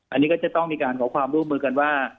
อันนี้ก็จะต้องมีการขอความร่วมมือกันว่า